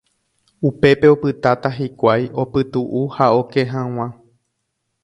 Upépe opytáta hikuái opytu'u ha oke hag̃ua.